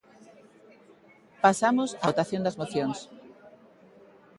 Pasamos á votación das mocións.